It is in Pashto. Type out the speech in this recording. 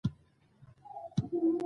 ورته مې وویل: هاغه دی را روان دی.